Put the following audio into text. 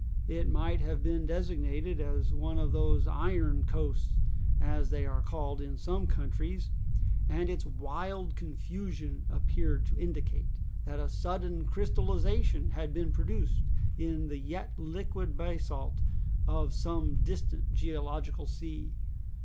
It might have been designated as one of those iron coasts, as they are called in some countries, and its wild confusion appeared to indicate that a sudden crystallization had been produced in the yet liquid basalt of some distant geological sea.